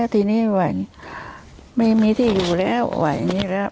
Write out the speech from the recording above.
ทีนี้ไม่มีที่อยู่แล้ว